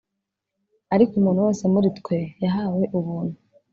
Ariko umuntu wese muri twe yahawe ubuntu